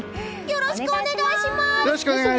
よろしくお願いします！